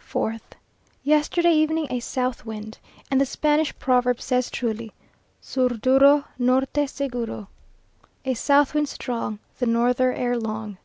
4th. Yesterday evening a south wind, and the Spanish proverb says truly "Sur duro, Norte seguro." "A south wind strong, The norther ere long."